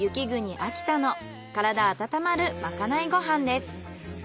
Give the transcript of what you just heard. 秋田の体温まるまかないご飯です。